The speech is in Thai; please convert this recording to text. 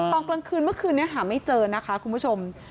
ตอนกลางคืนเมื่อคืนนี้หาไม่เจอนะคะคุณผู้ชม